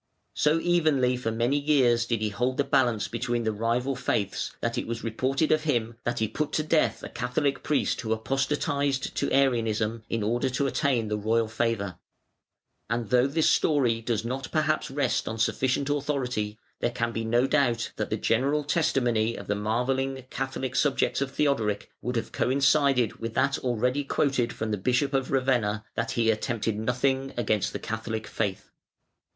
So evenly for many years did he hold the balance between the rival faiths, that it was reported of him that he put to death a Catholic priest who apostatised to Arianism in order to attain the royal favour; and though this story does not perhaps rest on sufficient authority, there can be no doubt that the general testimony of the marvelling Catholic subjects of Theodoric would have coincided with that already quoted (See page 128.) from the Bishop of Ravenna that "he attempted nothing against the Catholic faith".